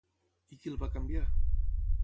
I qui el va canviar?